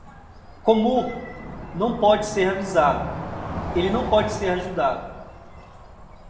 Komur não pode ser avisado, ele não pode ser ajudado.